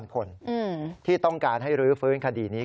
คนที่ต้องการให้รื้อฟื้นคดีนี้